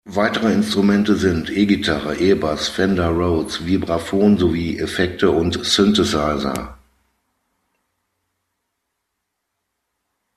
Weitere Instrumente sind: E-Gitarre, E-Bass, Fender Rhodes, Vibraphon sowie Effekte und Synthesizer.